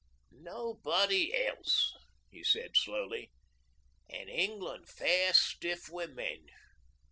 'Nobody else,' he said slowly, 'an' England fair stiff wi' men.